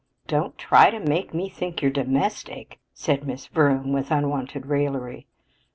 "Don't try to make me think you're domestic," said Miss Vroom with unwonted raillery.